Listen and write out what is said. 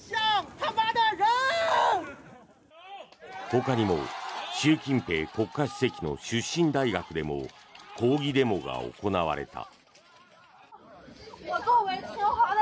ほかにも習近平国家主席の出身大学でも抗議デモが行われた。